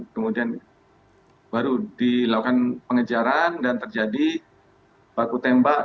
kemudian baru dilakukan pengejaran dan terjadi baku tembak